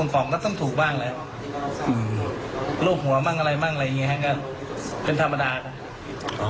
เป็นธรรมดาครับ